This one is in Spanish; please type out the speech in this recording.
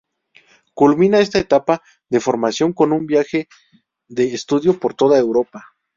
Culmina esta etapa de formación con un viaje de estudio por toda Europa.